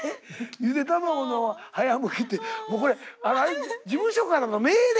「ゆで卵の早むき」ってもうこれ事務所からの命令？